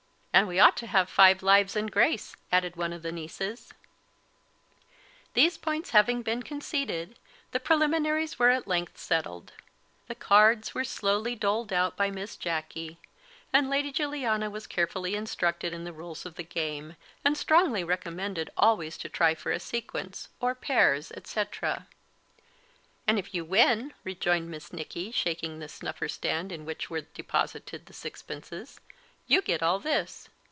"And we ought to have five lives and grace," added one of the nieces. These points having been conceded, the preliminaries were at length settled. The cards were slowly doled out by Miss Jacky; and Lady Juliana was carefully instructed in the rules of the game, and strongly recommended always to try for a sequence, or pairs, etc. "And if you win," rejoined Miss Nicky, shaking the snuffer stand in which were deposited the sixpences, "you get all this."